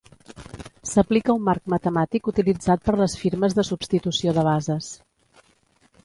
S’aplica un marc matemàtic utilitzat per les firmes de substitució de bases.